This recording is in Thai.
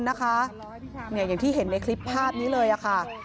นะคะเนี่ยอย่างที่เห็นในคลิปภาพนี้เลยอ่ะค่ะ